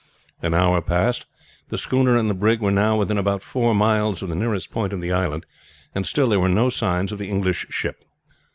An hour passed. The schooner and the brig were now within about four miles of the nearest point of the island, and still there were no signs of the English ship.